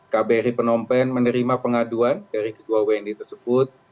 kbri penompen menerima pengaduan dari kedua wni tersebut